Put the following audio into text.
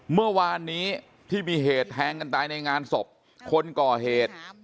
เมื่อวานนี้ที่มีเหตุแทงกันตายในงานศพคนก่อเหตุ